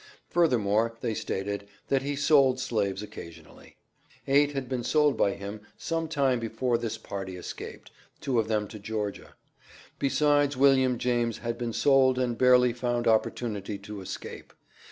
Furthermore they stated, that he sold slaves occasionally. Eight had been sold by him some time before this party escaped (two of them to Georgia); besides William James had been sold and barely found opportunity to escape.